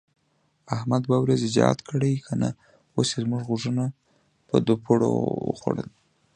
احمد دوه ورځې جهاد کړی که نه، اوس یې زموږ غوږونه په دوپړو وخوړل.